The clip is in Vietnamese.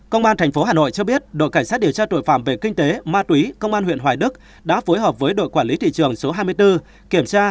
công an tp hà nội cho biết đội cảnh sát điều tra tội phạm về kinh tế ma túy công an huyện hoài đức đã phối hợp với đội quản lý thị trường số hai mươi bốn kiểm tra